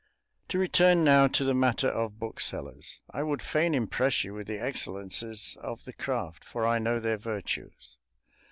To return now to the matter of booksellers, I would fain impress you with the excellences of the craft, for I know their virtues.